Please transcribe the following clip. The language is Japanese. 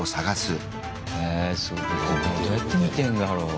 どうやって見てんだろう？